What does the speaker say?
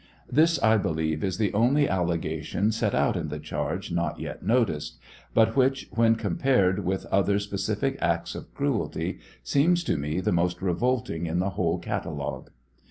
This, I believe, is.the only allegation set out in the charge not yet noticed, but which, when compared with other specific acts of cruelty, seems to me the moat revolting in the whole catalogue.